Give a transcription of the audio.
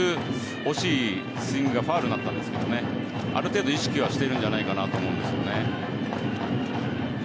おしいスイングがファウルなったんですけどある程度、意識はしてるんじゃないかと思います。